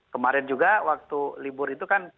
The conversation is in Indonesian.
kemarin juga waktu libur itu kan